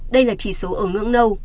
đây là chỉ số ở ngưỡng nâu